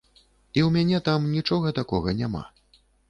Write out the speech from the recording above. І ў мяне там нічога такога няма.